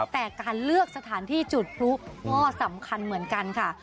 แต่การเลือกสถานที่จุดพลุก็สำคัญเหมือนกันค่ะ